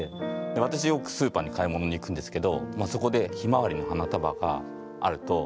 私よくスーパーに買い物に行くんですけどそこでひまわりの花束があるとついつい買ってしまって